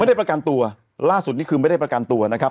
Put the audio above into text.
ได้ประกันตัวล่าสุดนี่คือไม่ได้ประกันตัวนะครับ